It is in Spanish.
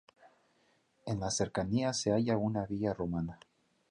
En las cercanías se halla una villa romana.